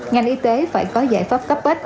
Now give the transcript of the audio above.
ngành y tế phải có giải pháp cấp bách